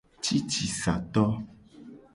Cicisato.